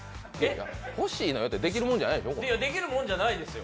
ほしいのよって、できるもんじゃないよね？